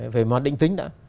về mà định tính đã